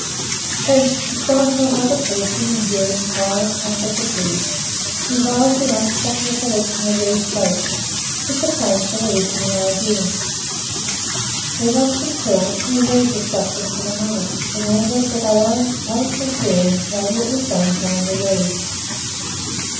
Hence, "the sight of another person enduring hunger, cold, fatigue, revives in us some recollection of these states, which are painful even in idea." We are thus impelled to relieve the sufferings of another, in order that our own painful feelings may be at the same time relieved.